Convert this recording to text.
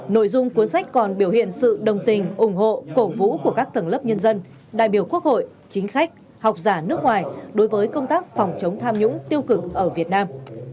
nội dung cuốn sách còn biểu hiện sự đồng tình ủng hộ cổ vũ của các tầng lớp nhân dân đại biểu quốc hội chính khách học giả nước ngoài đối với công tác phòng chống tham nhũng tiêu cực ở việt nam